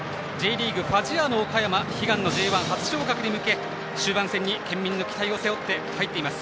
Ｊリーグ・ファジアーノ岡山悲願のＪ１初昇格に向け終盤戦に県民の期待を背負って入っています。